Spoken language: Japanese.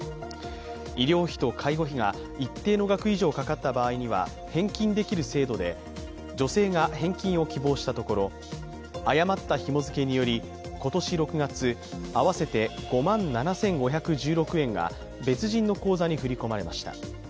医療費と介護費が一定の額以上かかった場合には返金できる制度で女性が返金を希望したところ誤ったひも付けにより、今年６月、合わせて５万７５１６円が別人の口座に振り込まれました。